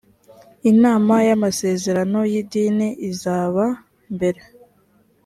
inama y amasezerano y idini izaba mbere